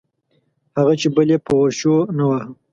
هغه چې پل یې په ورشو نه واهه.